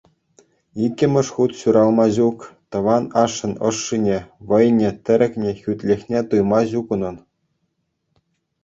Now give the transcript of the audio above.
Иккӗмӗш хут ҫуралма ҫук, тӑван ашшӗн ӑшшине, вӑйне, тӗрекне, хӳтлӗхне туйма ҫук унӑн.